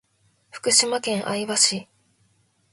福島県相馬市